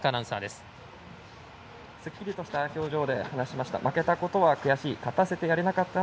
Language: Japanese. すっきりとした表情で話しました。